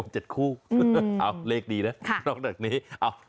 เจ็ดคู่เลขดีนะ